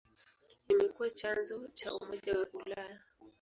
Imekuwa chanzo cha Umoja wa Ulaya.